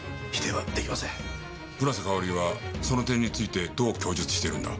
村瀬香織はその点についてどう供述しているんだ？